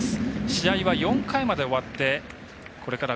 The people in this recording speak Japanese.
試合は４回まで終わってこれから